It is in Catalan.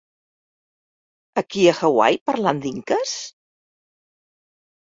Aquí a Hawaii parlant d'inques?